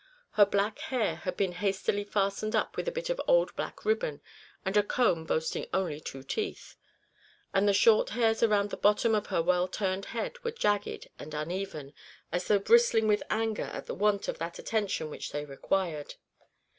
Her back hair had been hastily fastened up with a bit of old black ribbon and a comb boasting only two teeth, and the short hairs round the bottom of her well turned head were jagged and uneven, as though bristling with anger at the want of that attention which they required.